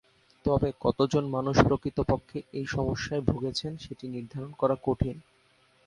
তবে কতজন মানুষ প্রকৃতপক্ষেই এই সমস্যায় ভুগছেন সেটি নির্ধারণ করা কঠিন।